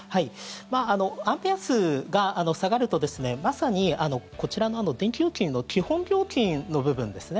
アンペア数が下がるとまさにこちらの電気料金の基本料金の部分ですね。